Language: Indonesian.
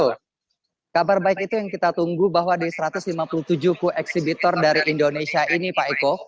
betul kabar baik itu yang kita tunggu bahwa di satu ratus lima puluh tujuh kueksibitor dari indonesia ini pak eko